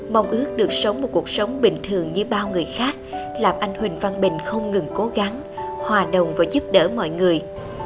mong ước được sống một cuộc sống bình thường như bao người khác làm anh huỳnh văn bình không ngừng cố gắng hòa đồng và giúp đỡ mọi người